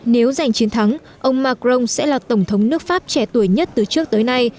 nếu giành chiến thắng ông macron sẽ là tổng thống nước pháp trẻ tuổi nhất từ trước tới nay